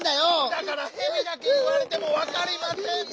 だから「へび」だけいわれてもわかりませんって！